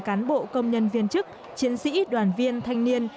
cán bộ công nhân viên chức chiến sĩ đoàn viên thanh niên